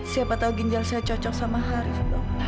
siapa tahu ginjal saya cocok sama haris dok